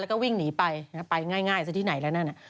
แล้วก็วิ่งหนีไปไปง่ายซะที่ไหนแล้วนั่น